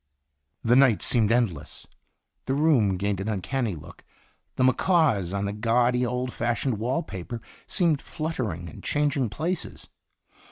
The night seemed endless. The room gained an uncanny look, the macaws on the gaudy, old fashioned wall paper seemed flut tering and changing places.